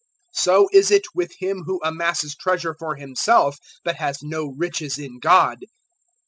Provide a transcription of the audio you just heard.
012:021 "So is it with him who amasses treasure for himself, but has no riches in God."